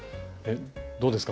どうですか？